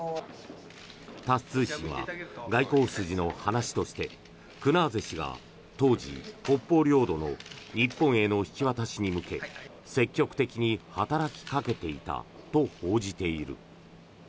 タス通信は外交筋の話としてクナーゼ氏が当時、北方領土の日本への引き渡しに向け積極的に働きかけていたと報じている。